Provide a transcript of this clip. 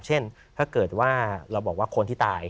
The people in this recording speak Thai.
เช่นถ้าเกิดว่าเราบอกว่าคนที่ตาย